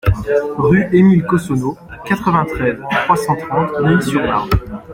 Rue Émile Cossonneau, quatre-vingt-treize, trois cent trente Neuilly-sur-Marne